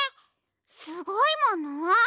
すごいもの？